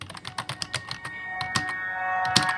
هغه څوک چي د ټولني خدمت کوي تل ياديږي.